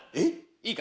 いいか？